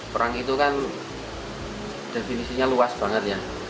perang itu kan definisinya luas banget ya